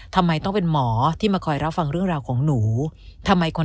ทำไมต้องเป็นหมอที่มาคอยรับฟังเรื่องราวของหนูทำไมคน